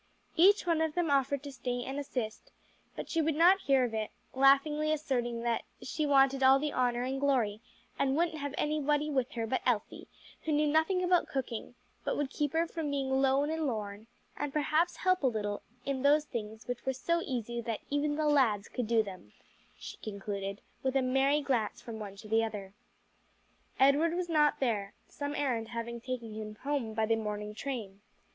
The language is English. Each one of them offered to stay and assist, but she would not hear of it; laughingly asserting that "she wanted all the honor and glory, and wouldn't have anybody with her but Elsie, who knew nothing about cooking, but would keep her from being 'lone and lorn,' and perhaps help a little in those things which were so easy that even the lads could do them," she concluded, with a merry glance from one to the other. Edward was not there, some errand having taken him home by the morning train.